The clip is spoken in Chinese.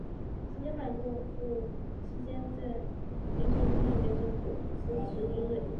新疆反共复国军是国共内战期间在新疆省东部一支由中华民国政府支持之军队。